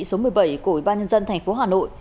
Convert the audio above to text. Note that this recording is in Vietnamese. số một mươi bảy của ủy ban nhân dân tp hà nội